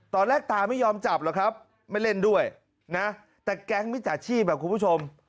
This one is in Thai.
ตาไม่ยอมจับหรอกครับไม่เล่นด้วยนะแต่แก๊งมิจฉาชีพคุณผู้ชม